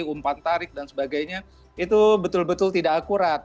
umpan tarik dan sebagainya itu betul betul tidak akurat